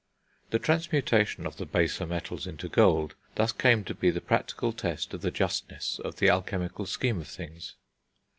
The transmutation of the baser metals into gold thus came to be the practical test of the justness of the alchemical scheme of things.